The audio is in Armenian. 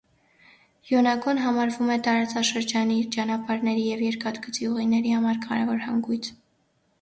Յոնագոն համարվում է տարածաշրջանի ճանապարհային և երկաթգծի ուղիների համար կարևոր հանգույց։